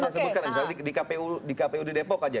misalnya di kpu di depok saja